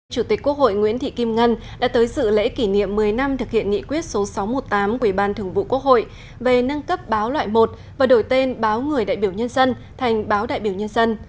chủ tịch quốc hội nguyễn thị kim ngân đã tới dự lễ kỷ niệm một mươi năm thực hiện nghị quyết số sáu trăm một mươi tám của ủy ban thường vụ quốc hội về nâng cấp báo loại một và đổi tên báo người đại biểu nhân dân thành báo đại biểu nhân dân